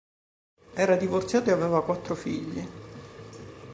Era divorziato ed aveva quattro figli.